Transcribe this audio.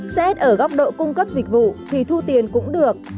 xét ở góc độ cung cấp dịch vụ thì thu tiền cũng được